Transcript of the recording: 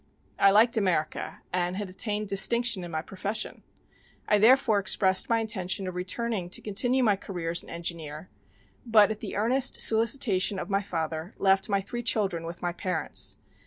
I liked America and had attained distinction in my profession. I therefore expressed my intention of returning to continue my career as an engineer, but at the earnest solicitation of my father, left my three children with my parents.